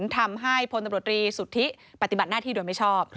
พลตำรวจรีสุทธิปฏิบัติหน้าที่โดยไม่ชอบ